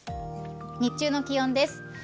日中の気温です。